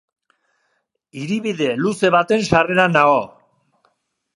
Hiribide luze baten sarreran nago.